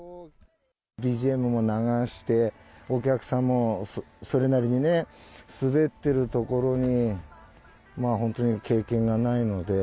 ＢＧＭも流して、お客さんもそれなりに滑ってる所に、まあ本当に、経験がないので。